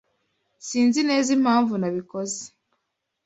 Sinzi neza impamvu nabikoze.